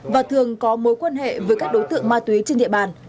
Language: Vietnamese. và thường có mối quan hệ với các đối tượng ma túy trên địa bàn